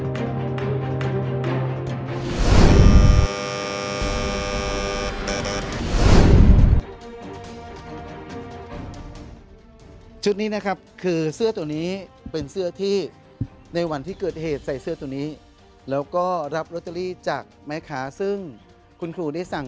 ชุดนี้นะครับคือเสื้อตัวนี้เป็นเสื้อที่ในวันที่เกิดเหตุใส่เสื้อตัวนี้แล้วก็รับลอตเตอรี่จากแม่ค้าซึ่งคุณครูได้สั่ง